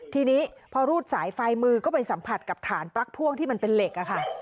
ทีนี้พอรูดสายไฟมือก็ไปสัมผัสกับฐานปลั๊กพ่วงที่มันเป็นเหล็กอะค่ะ